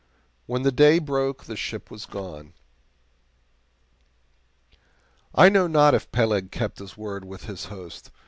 When the day broke the ship was gone. I know not if Peleg kept his word with his host.